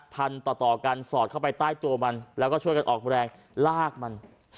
พันต่อกันสอดเข้าไปใต้ตัวมันแล้วก็ช่วยกันออกแรงลากมัน